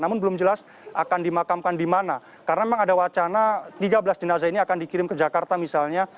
namun belum jelas akan dimakamkan di mana karena memang ada wacana tiga belas jenazah ini akan dikirim ke jakarta misalnya